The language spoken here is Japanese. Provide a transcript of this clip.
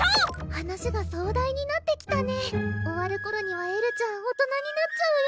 話が壮大になってきたね終わる頃にはエルちゃん大人になっちゃうよ？